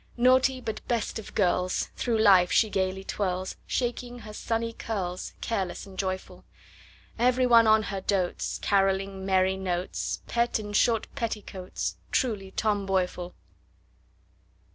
Naughty but best of girls, Through life she gayly twirls, Shaking her sunny curls, Careless and joyful. Ev'ry one on her dotes, Carolling merry notes, Pet in short petticoats, Truly tomboyful!